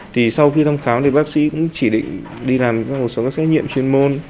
thì sau khi thăm khám thì bác sĩ cũng chỉ định đi làm một số các xét nghiệm chuyên môn